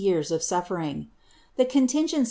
ye»re of Buffering. The conlingeneic?